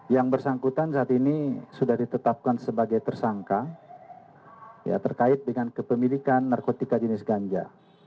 yang bersangkutan saat ini sudah ditetapkan sebagai tersangka terkait dengan kepemilikan narkotika jenis ganja